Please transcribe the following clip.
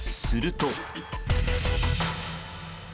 すると。